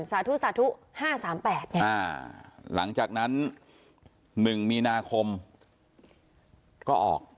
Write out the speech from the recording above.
สาธุ๕๓๘เนี่ยหลังจากนั้น๑มีนาคมก็ออก